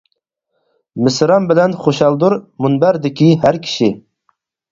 مىسران بىلەن خۇشالدۇر، مۇنبەردىكى ھەر كىشى.